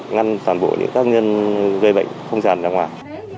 ngăn toàn bộ những tác nhân gây bệnh không giảm ra ngoài